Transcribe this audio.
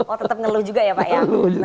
oh tetap ngeluh juga ya pak ya